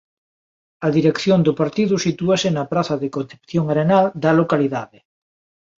A dirección do partido sitúase na Praza de Concepción Arenal da localidade.